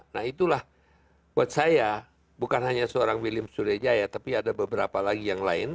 nah itulah buat saya bukan hanya seorang william suryajaya tapi ada beberapa lagi yang lain